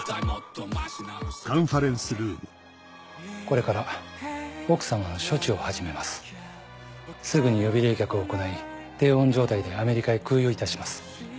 これから奥様の処置を始めますぐに予備冷却を行い低温状態でアメリカへ空輸いたします